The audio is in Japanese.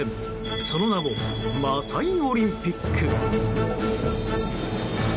その名もマサイ・オリンピック。